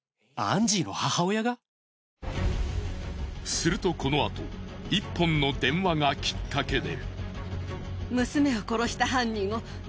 するとこのあと１本の電話がきっかけで。